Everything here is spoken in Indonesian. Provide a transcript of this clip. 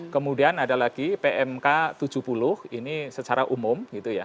kemudian ada lagi pmk tujuh puluh ini secara umum gitu ya